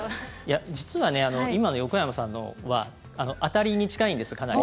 実は、今の横山さんのは当たりに近いんです、かなり。